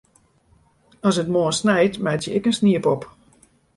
As it moarn snijt, meitsje ik in sniepop.